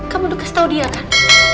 kamu udah kasih tau dia kan